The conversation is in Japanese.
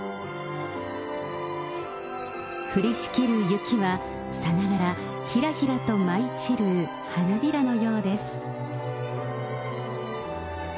降りしきる雪は、さながら、ひらひらと舞い散る花びらのようです。